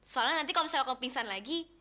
soalnya nanti kalau misalnya kamu pingsan lagi